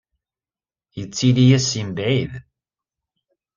Yettili-as seg mebɛid.